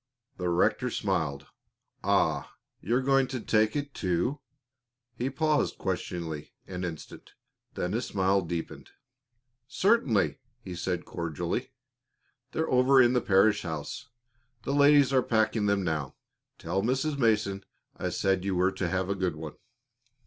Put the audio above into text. The rector smiled. "Ah! You're going to take it to " He paused questioningly an instant; then his smile deepened. "Certainly," he said cordially. "They're over in the parish house. The ladies are packing them now. Tell Mrs. Mason I said you were to have a good one."